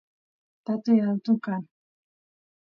tatay atun kan